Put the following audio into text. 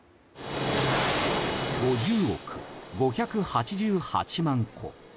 ５０億５８８万個。